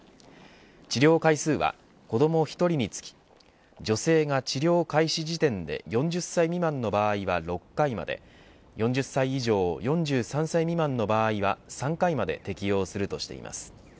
治療回数は子ども１人につき女性が治療開始時点で４０歳未満の場合は６回まで４０歳以上４３歳未満の場合は３回まで適用するとしています。